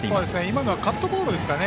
今のはカットボールですかね。